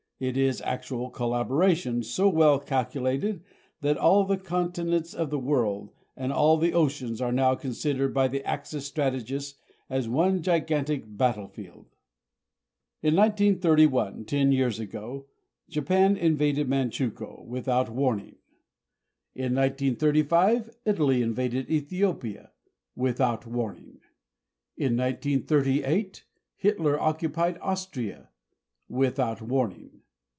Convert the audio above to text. It is actual collaboration so well calculated that all the continents of the world, and all the oceans, are now considered by the Axis strategists as one gigantic battlefield. In 1931, ten years ago, Japan invaded Manchukuo without warning. In 1935, Italy invaded Ethiopia without warning. In 1938, Hitler occupied Austria without warning.